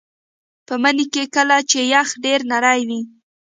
په مني کې کله چې یخ ډیر نری وي